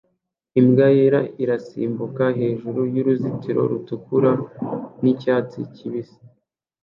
imbwa yera irasimbuka hejuru y'uruzitiro rutukura n'icyatsi kibisi